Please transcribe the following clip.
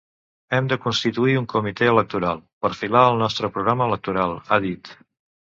Hem de constituir un comitè electoral, perfilar el nostre programa electoral, ha dit.